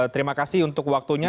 terima kasih untuk waktunya